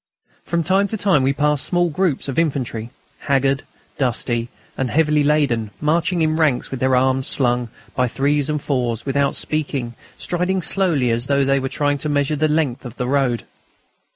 From time to time we passed small groups of infantry, haggard, dusty, and heavily laden, marching in ranks with their arms slung, by threes or fours, without speaking, striding slowly, as though they were trying to measure the length of the road.